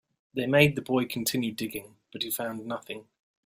They made the boy continue digging, but he found nothing.